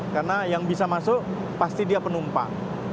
karena yang bisa masuk pasti dia penumpang